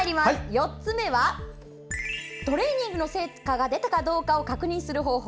４つ目は、トレーニングの成果が出たかどうかを確認する方法。